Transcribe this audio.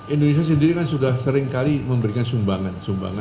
indonesia sendiri kan sudah seringkali memberikan sumbangan